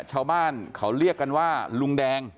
ชาวบ้านเขาเรียกกันว่าลุงแดง